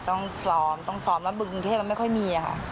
ต้องทำสอบเมืองกรุงเทพไม่ค่อยมีค่ะ